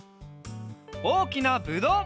おおきなぶどう！